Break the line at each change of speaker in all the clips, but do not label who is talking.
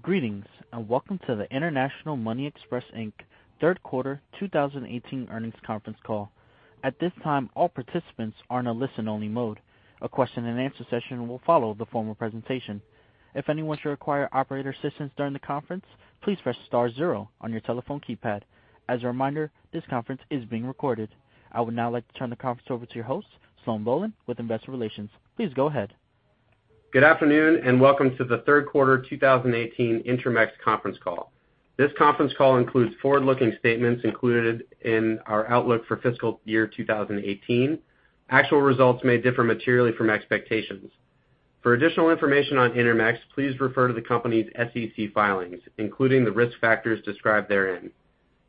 Greetings, and welcome to the International Money Express, Inc. third quarter 2018 earnings conference call. At this time, all participants are in a listen-only mode. A question and answer session will follow the formal presentation. If anyone should require operator assistance during the conference, please press star zero on your telephone keypad. As a reminder, this conference is being recorded. I would now like to turn the conference over to your host, Sloan Bohlen with Investor Relations. Please go ahead.
Good afternoon, and welcome to the third quarter 2018 Intermex conference call. This conference call includes forward-looking statements included in our outlook for fiscal year 2018. Actual results may differ materially from expectations. For additional information on Intermex, please refer to the company's SEC filings, including the risk factors described therein.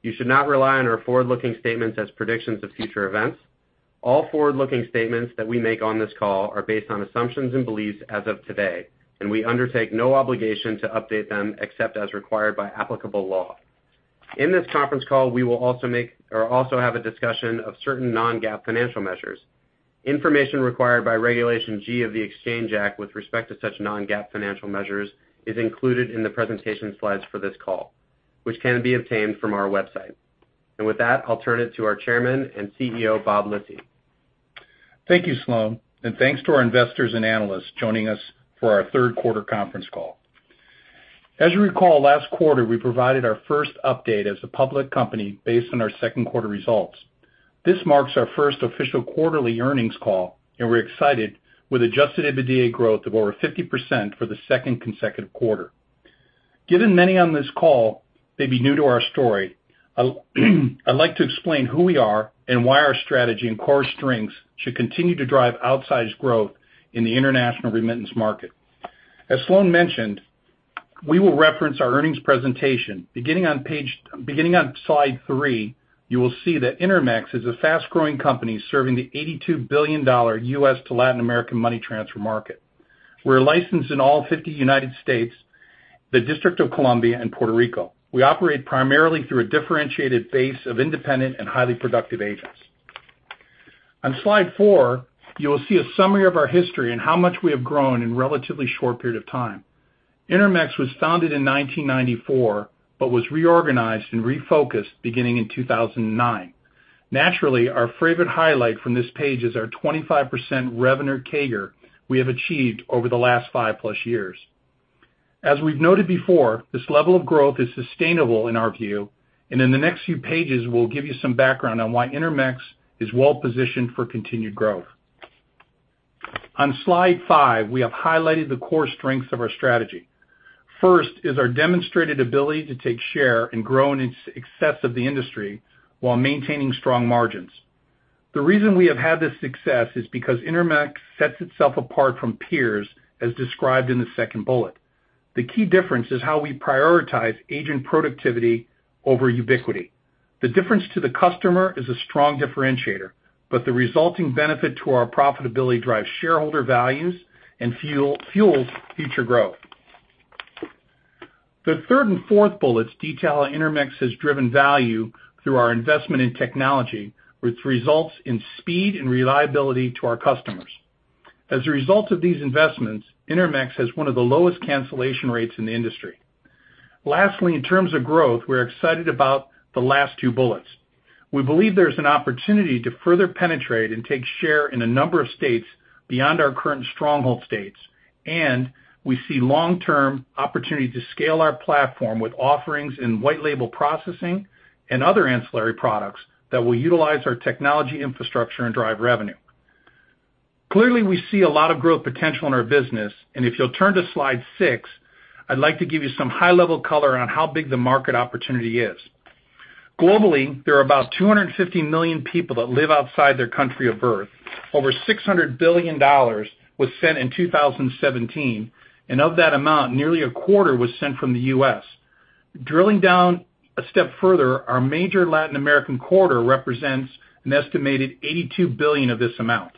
You should not rely on our forward-looking statements as predictions of future events. All forward-looking statements that we make on this call are based on assumptions and beliefs as of today, and we undertake no obligation to update them except as required by applicable law. In this conference call, we will also have a discussion of certain non-GAAP financial measures. Information required by Regulation G of the Exchange Act with respect to such non-GAAP financial measures is included in the presentation slides for this call, which can be obtained from our website. With that, I'll turn it to our Chairman and CEO, Bob Lisy.
Thank you, Sloan, and thanks to our investors and analysts joining us for our third quarter conference call. As you recall, last quarter, we provided our first update as a public company based on our second quarter results. This marks our first official quarterly earnings call, and we're excited with adjusted EBITDA growth of over 50% for the second consecutive quarter. Given many on this call may be new to our story, I'd like to explain who we are and why our strategy and core strengths should continue to drive outsized growth in the international remittance market. As Sloan mentioned, we will reference our earnings presentation. Beginning on Slide three, you will see that Intermex is a fast-growing company serving the $82 billion U.S. to Latin American money transfer market. We're licensed in all 50 United States, the District of Columbia, and Puerto Rico. We operate primarily through a differentiated base of independent and highly productive agents. On Slide four, you will see a summary of our history and how much we have grown in a relatively short period of time. Intermex was founded in 1994 but was reorganized and refocused beginning in 2009. Naturally, our favorite highlight from this page is our 25% revenue CAGR we have achieved over the last five-plus years. As we've noted before, this level of growth is sustainable in our view, and in the next few pages, we'll give you some background on why Intermex is well-positioned for continued growth. On Slide five, we have highlighted the core strengths of our strategy. First is our demonstrated ability to take share and grow in excess of the industry while maintaining strong margins. The reason we have had this success is because Intermex sets itself apart from peers, as described in the second bullet. The key difference is how we prioritize agent productivity over ubiquity. The difference to the customer is a strong differentiator, but the resulting benefit to our profitability drives shareholder values and fuels future growth. The third and fourth bullets detail how Intermex has driven value through our investment in technology, which results in speed and reliability to our customers. As a result of these investments, Intermex has one of the lowest cancellation rates in the industry. Lastly, in terms of growth, we're excited about the last two bullets. We believe there's an opportunity to further penetrate and take share in a number of states beyond our current stronghold states, and we see long-term opportunity to scale our platform with offerings in white label processing and other ancillary products that will utilize our technology infrastructure and drive revenue. Clearly, we see a lot of growth potential in our business, and if you'll turn to Slide six, I'd like to give you some high-level color on how big the market opportunity is. Globally, there are about 250 million people that live outside their country of birth. Over $600 billion was sent in 2017, and of that amount, nearly a quarter was sent from the U.S. Drilling down a step further, our major Latin American corridor represents an estimated $82 billion of this amount.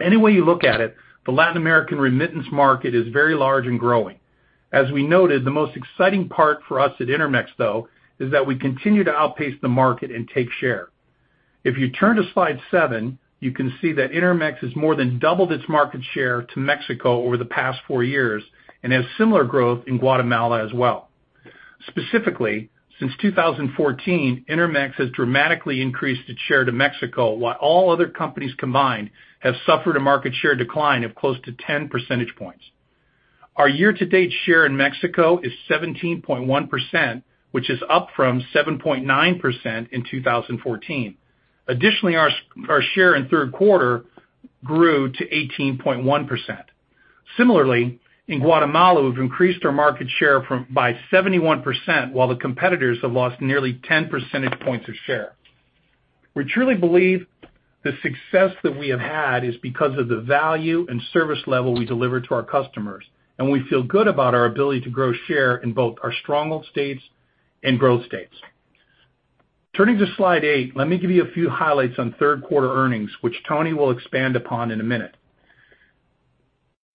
Any way you look at it, the Latin American remittance market is very large and growing. As we noted, the most exciting part for us at Intermex, though, is that we continue to outpace the market and take share. If you turn to Slide seven, you can see that Intermex has more than doubled its market share to Mexico over the past four years and has similar growth in Guatemala as well. Specifically, since 2014, Intermex has dramatically increased its share to Mexico, while all other companies combined have suffered a market share decline of close to 10 percentage points. Our year-to-date share in Mexico is 17.1%, which is up from 7.9% in 2014. Additionally, our share in the third quarter grew to 18.1%. Similarly, in Guatemala, we've increased our market share by 71%, while the competitors have lost nearly 10 percentage points of share. We truly believe the success that we have had is because of the value and service level we deliver to our customers, and we feel good about our ability to grow share in both our stronghold states and growth states. Turning to slide eight, let me give you a few highlights on third-quarter earnings, which Tony will expand upon in a minute.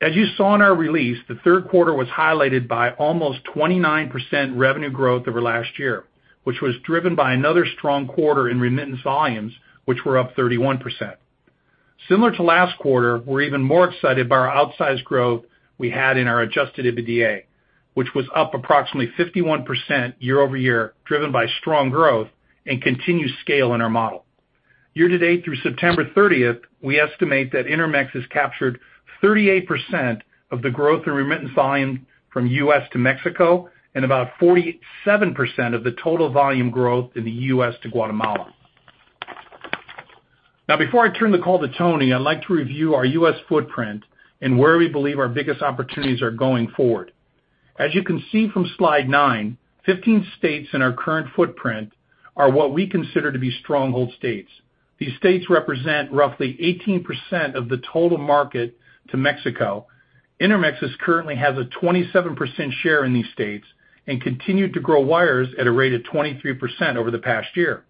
As you saw in our release, the third quarter was highlighted by almost 29% revenue growth over last year, which was driven by another strong quarter in remittance volumes, which were up 31%. Similar to last quarter, we're even more excited by our outsized growth we had in our adjusted EBITDA, which was up approximately 51% year-over-year, driven by strong growth and continued scale in our model. Year-to-date through September 30th, we estimate that Intermex has captured 38% of the growth in remittance volume from U.S. to Mexico and about 47% of the total volume growth in the U.S. to Guatemala. Before I turn the call to Tony, I'd like to review our U.S. footprint and where we believe our biggest opportunities are going forward. As you can see from slide nine, 15 states in our current footprint are what we consider to be stronghold states. These states represent roughly 18% of the total market to Mexico. Intermex currently has a 27% share in these states and continued to grow wires at a rate of 23% over the past year.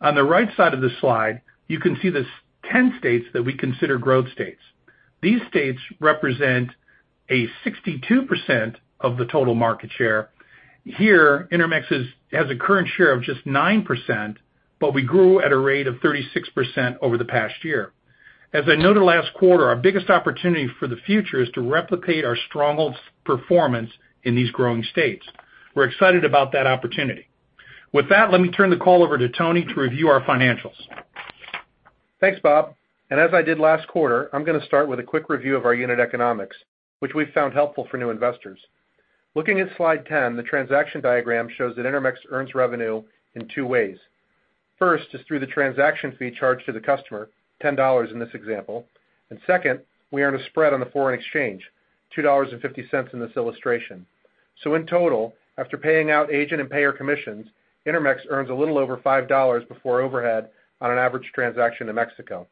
On the right side of the slide, you can see the 10 states that we consider growth states. These states represent a 62% of the total market share. Here, Intermex has a current share of just 9%, we grew at a rate of 36% over the past year. As I noted last quarter, our biggest opportunity for the future is to replicate our stronghold's performance in these growing states. We're excited about that opportunity. With that, let me turn the call over to Tony to review our financials.
Thanks, Bob. As I did last quarter, I'm going to start with a quick review of our unit economics, which we've found helpful for new investors. Looking at slide 10, the transaction diagram shows that Intermex earns revenue in two ways. First is through the transaction fee charged to the customer, $10 in this example. Second, we earn a spread on the foreign exchange, $2.50 in this illustration. In total, after paying out agent and payer commissions, Intermex earns a little over $5 before overhead on an average transaction to Mexico.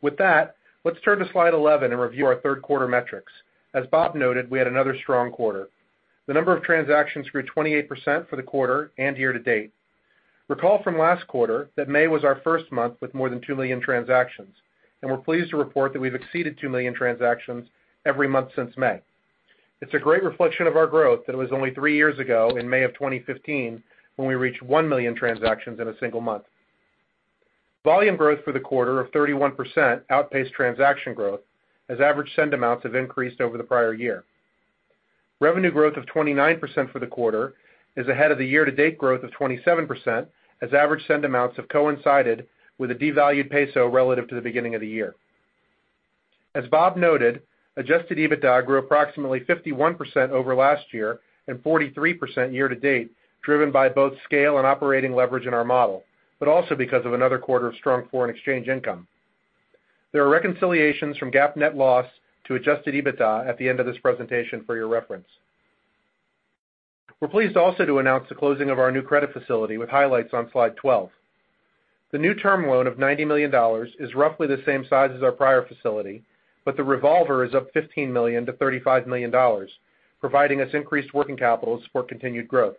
With that, let's turn to slide 11 and review our third quarter metrics. As Bob noted, we had another strong quarter. The number of transactions grew 28% for the quarter and year-to-date. Recall from last quarter that May was our first month with more than 2 million transactions, and we're pleased to report that we've exceeded 2 million transactions every month since May. It's a great reflection of our growth that it was only three years ago, in May of 2015, when we reached 1 million transactions in a single month. Volume growth for the quarter of 31% outpaced transaction growth, as average send amounts have increased over the prior year. Revenue growth of 29% for the quarter is ahead of the year-to-date growth of 27%, as average send amounts have coincided with a devalued peso relative to the beginning of the year. As Bob noted, adjusted EBITDA grew approximately 51% over last year and 43% year-to-date, driven by both scale and operating leverage in our model, but also because of another quarter of strong foreign exchange income. There are reconciliations from GAAP net loss to adjusted EBITDA at the end of this presentation for your reference. We're pleased also to announce the closing of our new credit facility, with highlights on slide 12. The new term loan of $90 million is roughly the same size as our prior facility, but the revolver is up $15 million to $35 million, providing us increased working capital to support continued growth.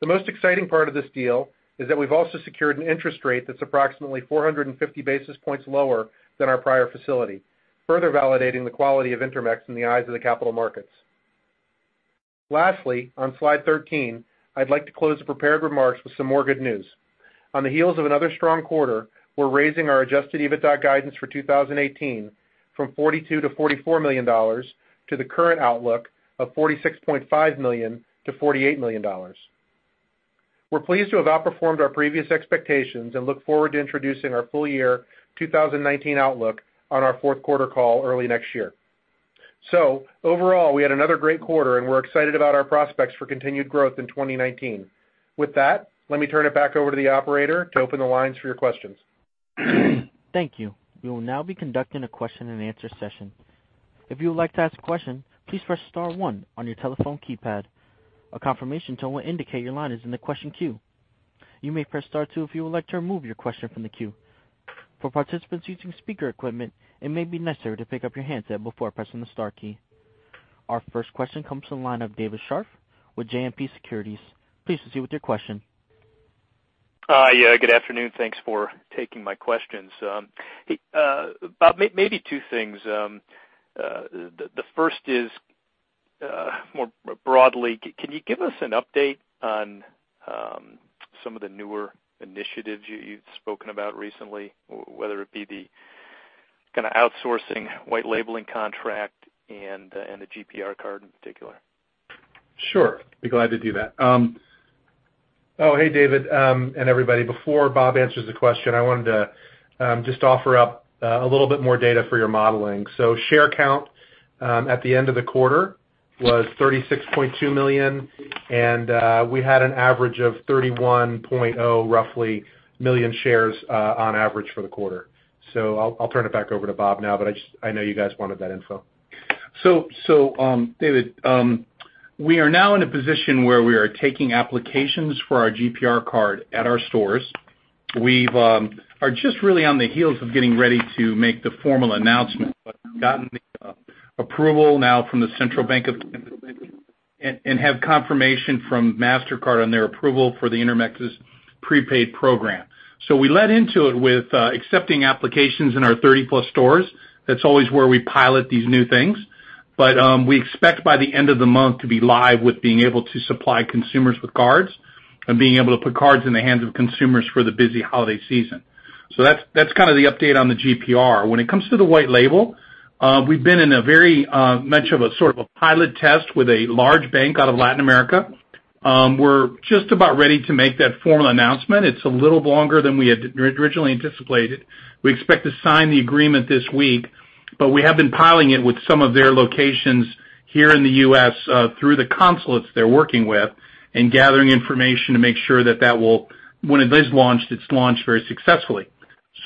The most exciting part of this deal is that we've also secured an interest rate that's approximately 450 basis points lower than our prior facility, further validating the quality of Intermex in the eyes of the capital markets. On slide 13, I'd like to close the prepared remarks with some more good news. On the heels of another strong quarter, we're raising our adjusted EBITDA guidance for 2018 from $42 million-$44 million to the current outlook of $46.5 million-$48 million. We're pleased to have outperformed our previous expectations and look forward to introducing our full year 2019 outlook on our fourth quarter call early next year. Overall, we had another great quarter, and we're excited about our prospects for continued growth in 2019. With that, let me turn it back over to the operator to open the lines for your questions.
Thank you. We will now be conducting a question and answer session. If you would like to ask a question, please press star one on your telephone keypad. A confirmation tone will indicate your line is in the question queue. You may press star two if you would like to remove your question from the queue. For participants using speaker equipment, it may be necessary to pick up your handset before pressing the star key. Our first question comes from the line of David Scharf with JMP Securities. Please proceed with your question.
Hi. Yeah, good afternoon. Thanks for taking my questions. Hey, Bob, maybe two things. The first is more broadly, can you give us an update on some of the newer initiatives you've spoken about recently, whether it be the kind of outsourcing white label contract and the GPR card in particular?
Sure. Be glad to do that. Oh, hey, David, and everybody. Before Bob answers the question, I wanted to just offer up a little bit more data for your modeling. Share count at the end of the quarter was $36.2 million, and we had an average of $31.0 roughly million shares on average for the quarter. I'll turn it back over to Bob now, but I know you guys wanted that info.
David, we are now in a position where we are taking applications for our GPR card at our stores. We are just really on the heels of getting ready to make the formal announcement, but have gotten the approval now from the Central Bank of and have confirmation from Mastercard on their approval for the Intermex's prepaid program. We led into it with accepting applications in our 30-plus stores. That's always where we pilot these new things. But we expect by the end of the month to be live with being able to supply consumers with cards and being able to put cards in the hands of consumers for the busy holiday season. That's the update on the GPR. When it comes to the white label, we've been in a very much of a sort of a pilot test with a large bank out of Latin America. We're just about ready to make that formal announcement. It's a little longer than we had originally anticipated. We expect to sign the agreement this week, but we have been piloting it with some of their locations here in the U.S. through the consulates they're working with and gathering information to make sure that when it is launched, it's launched very successfully.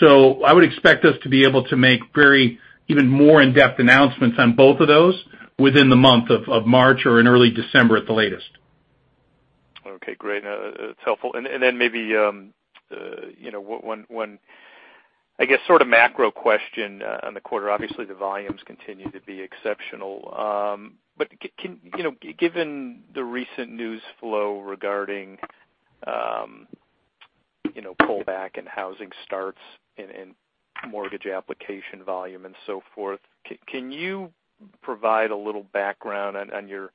I would expect us to be able to make very even more in-depth announcements on both of those within the month of March or in early December at the latest.
Okay, great. That's helpful. Maybe one, I guess, sort of macro question on the quarter. Obviously, the volumes continue to be exceptional. Given the recent news flow regarding pullback in housing starts and mortgage application volume and so forth, can you provide a little background on your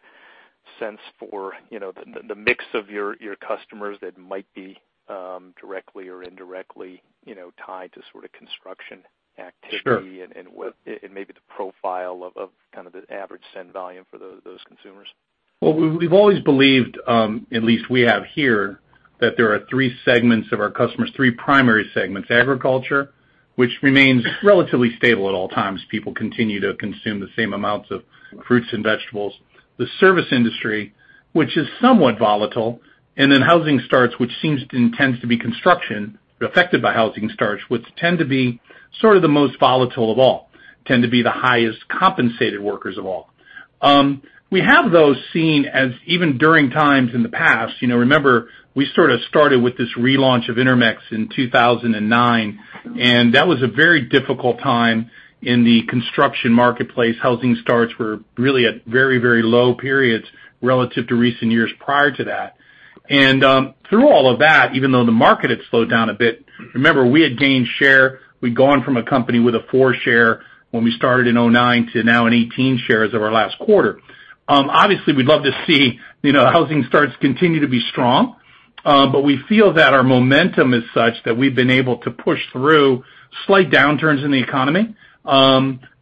sense for the mix of your customers that might be directly or indirectly tied to sort of construction activity.
Sure
Maybe the profile of kind of the average send volume for those consumers?
We've always believed, at least we have here, that there are three segments of our customers, three primary segments. Agriculture, which remains relatively stable at all times. People continue to consume the same amounts of fruits and vegetables. The service industry, which is somewhat volatile. Housing starts, which seems to be construction affected by housing starts, which tend to be sort of the most volatile of all, tend to be the highest compensated workers of all. We have those seen as even during times in the past. Remember, we sort of started with this relaunch of Intermex in 2009. That was a very difficult time in the construction marketplace. Housing starts were really at very low periods relative to recent years prior to that. Through all of that, even though the market had slowed down a bit, remember, we had gained share. We'd gone from a company with a 4 share when we started in 2009 to now an 18 shares of our last quarter. Obviously, we'd love to see housing starts continue to be strong. We feel that our momentum is such that we've been able to push through slight downturns in the economy.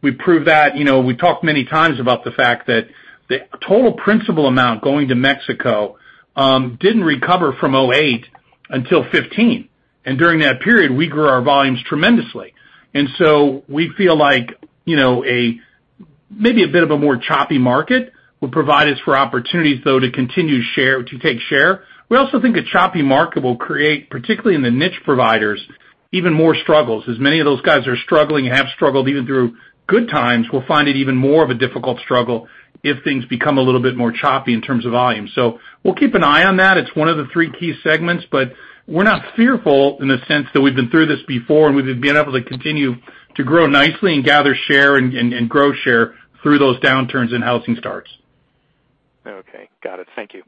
We proved that. We talked many times about the fact that the total principal amount going to Mexico didn't recover from 2008 until 2015. During that period, we grew our volumes tremendously. We feel like maybe a bit of a more choppy market will provide us for opportunities, though, to continue to take share. We also think a choppy market will create, particularly in the niche providers, even more struggles, as many of those guys are struggling, have struggled even through good times, will find it even more of a difficult struggle if things become a little bit more choppy in terms of volume. We'll keep an eye on that. It's one of the three key segments, but we're not fearful in the sense that we've been through this before, and we've been able to continue to grow nicely and gather share and grow share through those downturns in housing starts.
Okay. Got it. Thank you.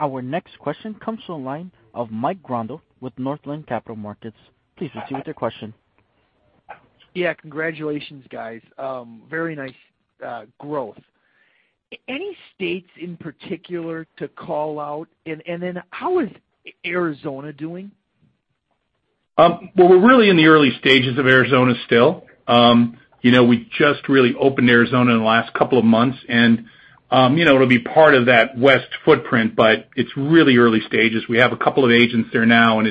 Our next question comes to the line of Mike Grondahl with Northland Capital Markets. Please proceed with your question.
Yeah. Congratulations, guys. Very nice growth. Any states in particular to call out? How is Arizona doing?
We're really in the early stages of Arizona still. We just really opened Arizona in the last couple of months, and it'll be part of that west footprint, but it's really early stages. We have a couple of agents there now, and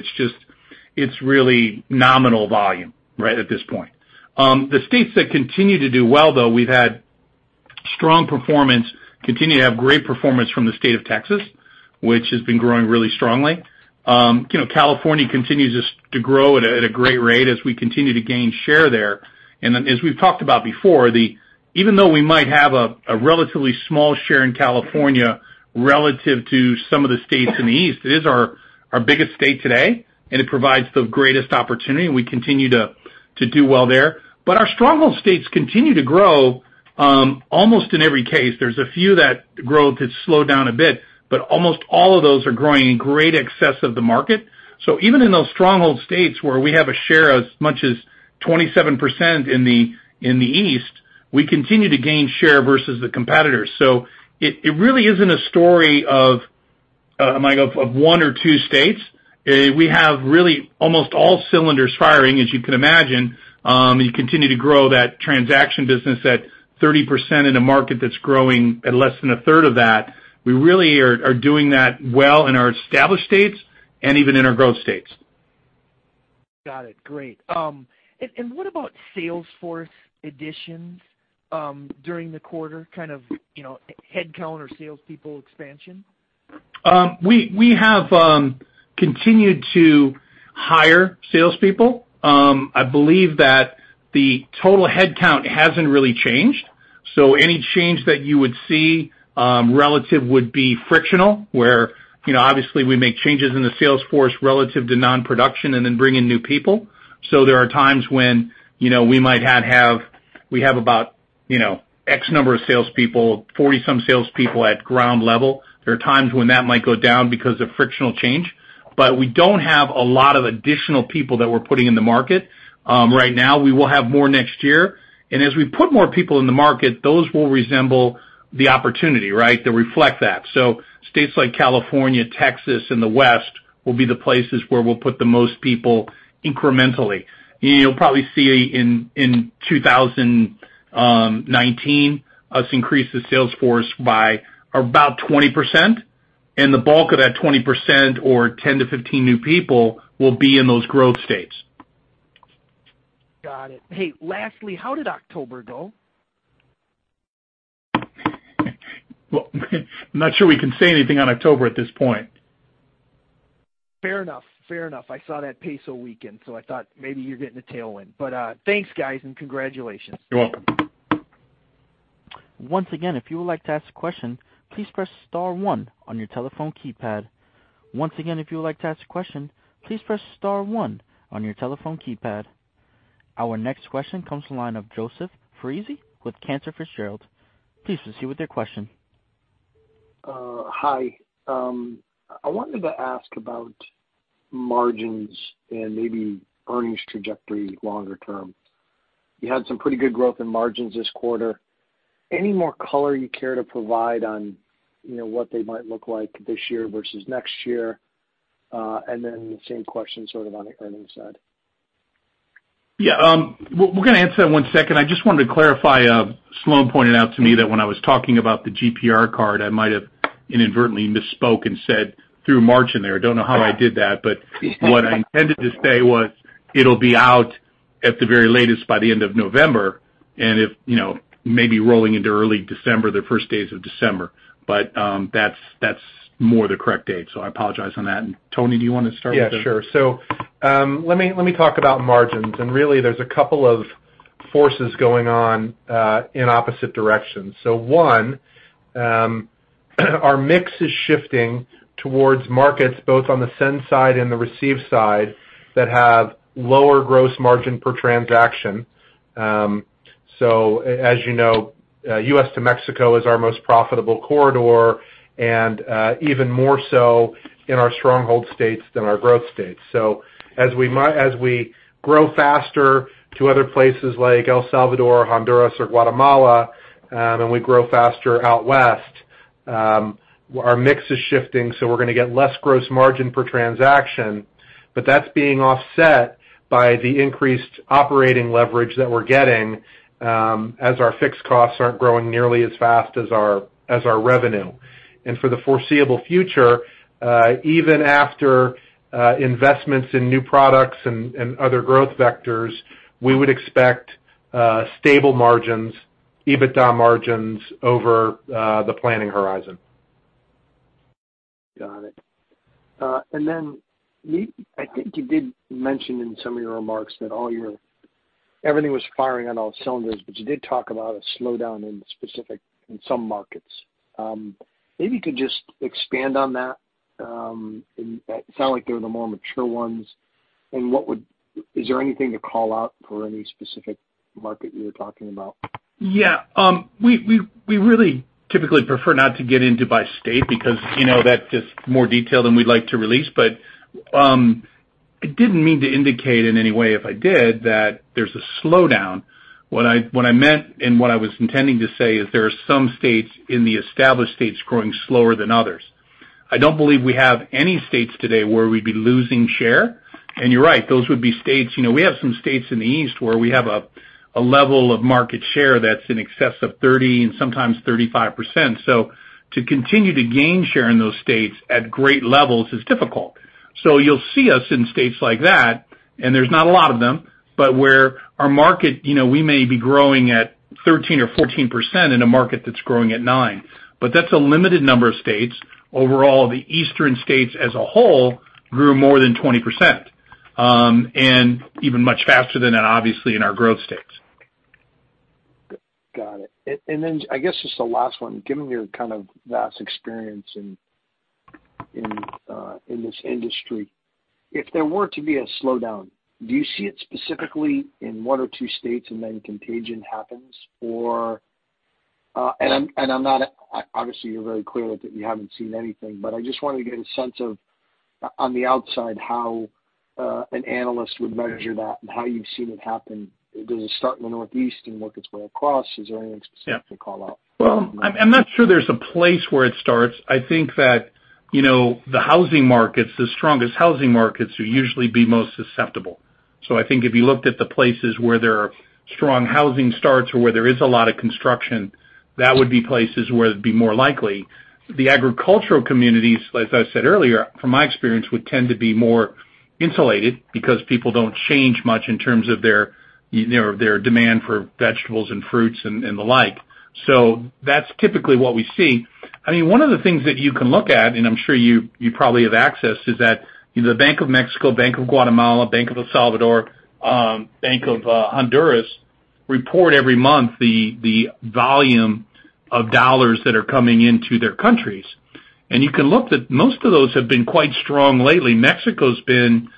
it's really nominal volume right at this point. The states that continue to do well, though, we've had strong performance, continue to have great performance from the state of Texas, which has been growing really strongly. California continues to grow at a great rate as we continue to gain share there. As we've talked about before, even though we might have a relatively small share in California relative to some of the states in the East, it is our biggest state today, and it provides the greatest opportunity, and we continue to do well there. Our stronghold states continue to grow almost in every case. There's a few that growth has slowed down a bit, but almost all of those are growing in great excess of the market. Even in those stronghold states where we have a share as much as 27% in the East, we continue to gain share versus the competitors. It really isn't a story of one or two states. We have really almost all cylinders firing, as you can imagine. You continue to grow that transaction business at 30% in a market that's growing at less than a third of that. We really are doing that well in our established states and even in our growth states.
Got it. Great. What about sales force additions during the quarter? Kind of headcount or salespeople expansion?
We have continued to hire salespeople. I believe that the total headcount hasn't really changed. Any change that you would see relative would be frictional, where obviously we make changes in the sales force relative to non-production and then bring in new people. There are times when we have about X number of salespeople, 40-some salespeople at ground level. There are times when that might go down because of frictional change, we don't have a lot of additional people that we're putting in the market right now. We will have more next year. As we put more people in the market, those will resemble the opportunity, right, that reflect that. States like California, Texas, and the West will be the places where we'll put the most people incrementally. You'll probably see in 2019 us increase the sales force by about 20%, the bulk of that 20%, or 10-15 new people, will be in those growth states.
Got it. Hey, lastly, how did October go?
Well, I'm not sure we can say anything on October at this point.
Fair enough. I saw that peso weakened, I thought maybe you're getting a tailwind. Thanks, guys, and congratulations.
You're welcome.
Once again, if you would like to ask a question, please press star one on your telephone keypad. Once again, if you would like to ask a question, please press star one on your telephone keypad. Our next question comes from the line of Joseph Foresi with Cantor Fitzgerald. Please proceed with your question.
Hi. I wanted to ask about margins and maybe earnings trajectory longer term. You had some pretty good growth in margins this quarter. Any more color you care to provide on what they might look like this year versus next year? Then the same question sort of on the earnings side.
Yeah. We're going to answer that in one second. I just wanted to clarify, Sloan pointed out to me that when I was talking about the GPR card, I might have inadvertently misspoke and said through March in there. Don't know how I did that, but what I intended to say was it'll be out at the very latest by the end of November, and maybe rolling into early December, the first days of December. That's more the correct date. I apologize on that. Tony, do you want to start with the
Yeah, sure. Let me talk about margins. Really there's a couple of forces going on in opposite directions. One, our mix is shifting towards markets both on the send side and the receive side that have lower gross margin per transaction. As you know, U.S. to Mexico is our most profitable corridor, and even more so in our stronghold states than our growth states. As we grow faster to other places like El Salvador, Honduras, or Guatemala, and we grow faster out west, our mix is shifting, so we're going to get less gross margin per transaction. That's being offset by the increased operating leverage that we're getting as our fixed costs aren't growing nearly as fast as our revenue. For the foreseeable future, even after investments in new products and other growth vectors, we would expect stable margins, EBITDA margins over the planning horizon.
Got it. Maybe, I think you did mention in some of your remarks that everything was firing on all cylinders, you did talk about a slowdown in specific in some markets. Maybe you could just expand on that. It sounded like they were the more mature ones. Is there anything to call out for any specific market you were talking about?
Yeah. We really typically prefer not to get into by state because that's just more detail than we'd like to release. I didn't mean to indicate in any way, if I did, that there's a slowdown. What I meant, what I was intending to say, is there are some states in the established states growing slower than others. I don't believe we have any states today where we'd be losing share. You're right, we have some states in the East where we have a level of market share that's in excess of 30% and sometimes 35%. To continue to gain share in those states at great levels is difficult. You'll see us in states like that, and there's not a lot of them, but where our market, we may be growing at 13% or 14% in a market that's growing at 9%. That's a limited number of states. Overall, the eastern states as a whole grew more than 20%, and even much faster than that, obviously, in our growth states.
Got it. Then I guess just a last one, given your kind of vast experience in this industry, if there were to be a slowdown, do you see it specifically in one or two states and then contagion happens? Obviously you're very clear that you haven't seen anything, but I just want to get a sense of, on the outside, how an analyst would measure that and how you've seen it happen. Does it start in the Northeast and work its way across? Is there anything specific to call out?
I'm not sure there's a place where it starts. I think that the housing markets, the strongest housing markets will usually be most susceptible. I think if you looked at the places where there are strong housing starts or where there is a lot of construction, that would be places where it'd be more likely. The agricultural communities, as I said earlier, from my experience, would tend to be more insulated because people don't change much in terms of their demand for vegetables and fruits and the like. That's typically what we see. One of the things that you can look at, and I'm sure you probably have access, is that the Bank of Mexico, Bank of Guatemala, Bank of El Salvador, Bank of Honduras, report every month the volume of dollars that are coming into their countries. You can look that most of those have been quite strong lately. Mexico's been,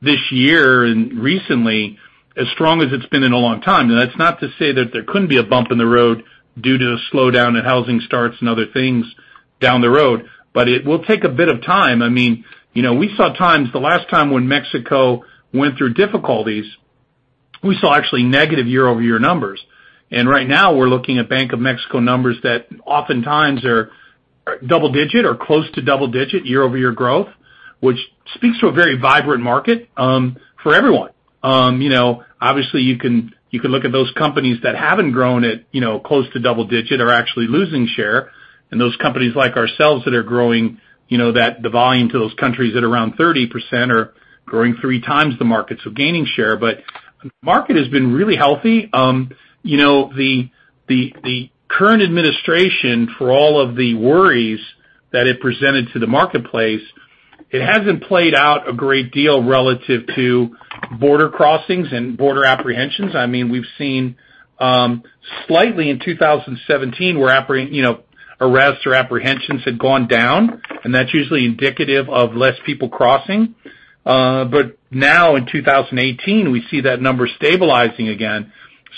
this year and recently, as strong as it's been in a long time. That's not to say that there couldn't be a bump in the road due to the slowdown in housing starts and other things down the road, but it will take a bit of time. We saw times, the last time when Mexico went through difficulties, we saw actually negative year-over-year numbers. Right now we're looking at Bank of Mexico numbers that oftentimes are double-digit or close to double-digit year-over-year growth, which speaks to a very vibrant market for everyone. Obviously, you can look at those companies that haven't grown at close to double-digit or are actually losing share, and those companies like ourselves that are growing the volume to those countries at around 30% or growing three times the market, so gaining share. The market has been really healthy. The current administration, for all of the worries that it presented to the marketplace, it hasn't played out a great deal relative to border crossings and border apprehensions. We've seen slightly in 2017 where arrests or apprehensions had gone down, and that's usually indicative of less people crossing. Now in 2018, we see that number stabilizing again.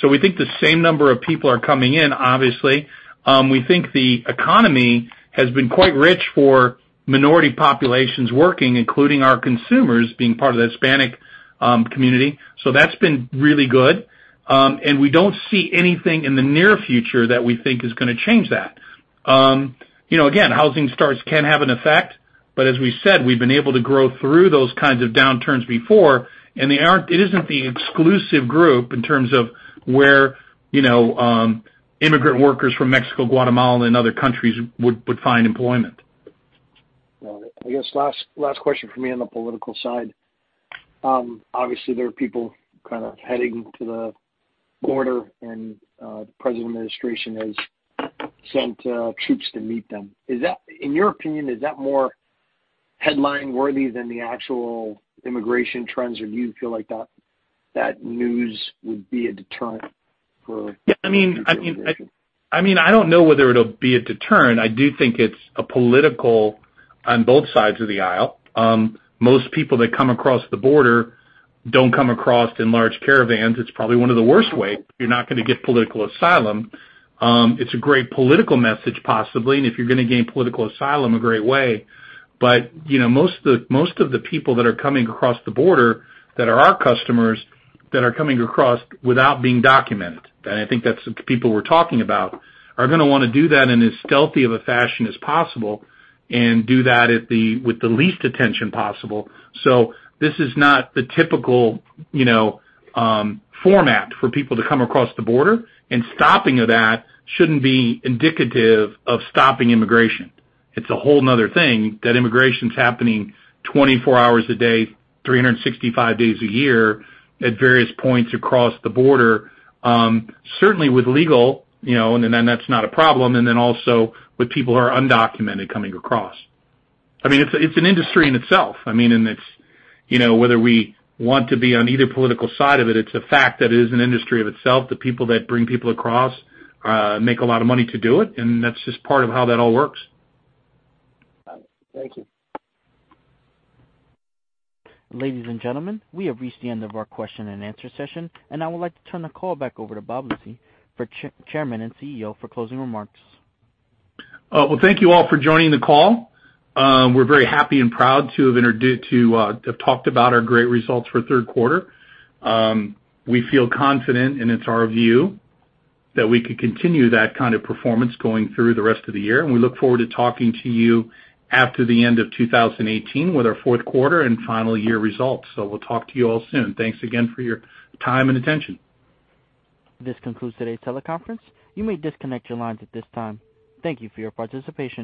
We think the same number of people are coming in, obviously. We think the economy has been quite rich for minority populations working, including our consumers being part of the Hispanic community. That's been really good. We don't see anything in the near future that we think is going to change that. Again, housing starts can have an effect, but as we said, we've been able to grow through those kinds of downturns before, and it isn't the exclusive group in terms of where immigrant workers from Mexico, Guatemala, and other countries would find employment.
Got it. I guess last question from me on the political side. Obviously, there are people kind of heading to the border, and the present administration has sent troops to meet them. In your opinion, is that more headline-worthy than the actual immigration trends, or do you feel like that news would be a deterrent for future immigration?
I don't know whether it'll be a deterrent. I do think it's political on both sides of the aisle. Most people that come across the border don't come across in large caravans. It's probably one of the worst ways. You're not going to get political asylum. It's a great political message, possibly, and if you're going to gain political asylum, a great way. Most of the people that are coming across the border that are our customers, that are coming across without being documented, and I think that's the people we're talking about, are going to want to do that in as stealthy of a fashion as possible and do that with the least attention possible. This is not the typical format for people to come across the border, and stopping of that shouldn't be indicative of stopping immigration. It's a whole other thing that immigration's happening 24 hours a day, 365 days a year at various points across the border. Certainly with legal, and then that's not a problem, and then also with people who are undocumented coming across. It's an industry in itself. Whether we want to be on either political side of it's a fact that it is an industry of itself. The people that bring people across make a lot of money to do it, and that's just part of how that all works.
All right. Thank you.
Ladies and gentlemen, we have reached the end of our question-and-answer session, and I would like to turn the call back over to Bob Lisy, for Chairman and CEO for closing remarks.
Well, thank you all for joining the call. We're very happy and proud to have talked about our great results for third quarter. We feel confident, and it's our view that we could continue that kind of performance going through the rest of the year, and we look forward to talking to you after the end of 2018 with our fourth quarter and final year results. We'll talk to you all soon. Thanks again for your time and attention.
This concludes today's teleconference. You may disconnect your lines at this time. Thank you for your participation.